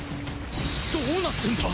どうなってんだ！？